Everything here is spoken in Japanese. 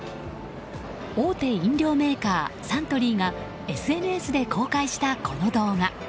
大手飲料メーカー、サントリーがＳＮＳで公開した、この動画。